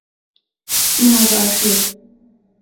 穆拉德二世。